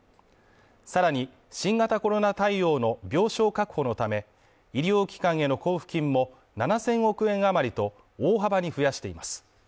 さらに、新型コロナ対応の病床確保のため、医療機関への交付金も７０００億円余りと、大幅に増やしています。